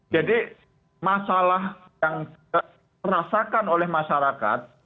jadi masalah yang terasakan oleh masyarakat